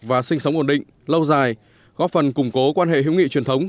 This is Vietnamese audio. và sinh sống ổn định lâu dài góp phần củng cố quan hệ hữu nghị truyền thống